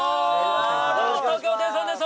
どうも東京ホテイソンです